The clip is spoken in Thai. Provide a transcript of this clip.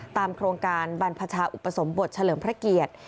โครงการบรรพชาอุปสมบทเฉลิมพระเกียรติ